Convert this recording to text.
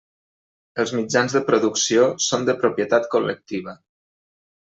Els mitjans de producció són de propietat col·lectiva.